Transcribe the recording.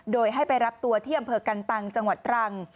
โดยให้ไปรับตัวที่อำเภอกันตังจังหวัดตรัง